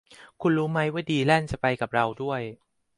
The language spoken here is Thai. คุณรู้มั้ยว่าดีแลนจะไปกับเราด้วย